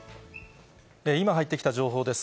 今入ってきた情報です。